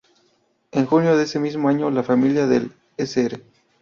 En junio de ese mismo año, la familia del Sr.